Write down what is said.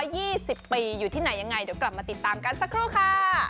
ยี่สิบปีอยู่ที่ไหนยังไงเดี๋ยวกลับมาติดตามกันสักครู่ค่ะ